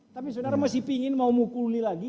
tapi saudara masih pingin mau mukul lagi